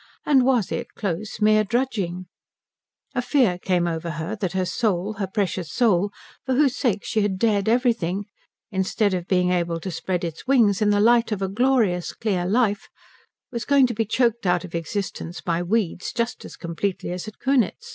And was it, close, mere drudging? A fear came over her that her soul, her precious soul, for whose sake she had dared everything, instead of being able to spread its wings in the light of a glorious clear life was going to be choked out of existence by weeds just as completely as at Kunitz.